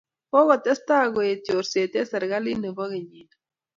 Kokotestai koit chorsee eng serikalit ne bo kenyii ni.